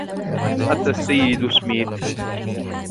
أتى السيد سميث.